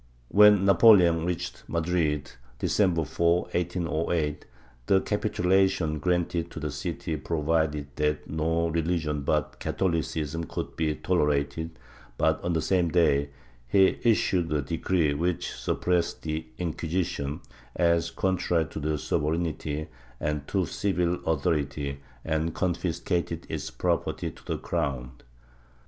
^ When Napoleon reached Madrid, Decem ber 4, 1808, the capitulation granted to the city provided that no religion but Catholicism should be tolerated but, on the same day, he issued a decree which suppressed the Inquisition, as contrary to sovereignty and to civil authority, and confiscated its property to the crown.